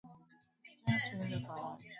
Njoo tuimbe pamoja